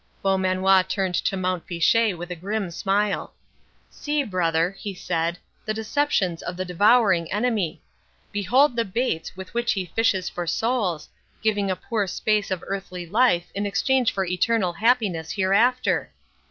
Beaumanoir turned to Mont Fitchet with a grim smile. "See, brother," he said, "the deceptions of the devouring Enemy! Behold the baits with which he fishes for souls, giving a poor space of earthly life in exchange for eternal happiness hereafter.